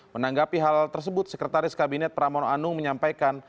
menanggapi hal tersebut sekretaris kabinet pramono anung menyampaikan